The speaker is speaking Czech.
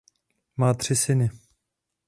Má tři syny.